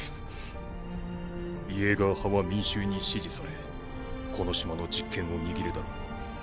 イェーガー派は民衆に支持されこの島の実権を握るだろう。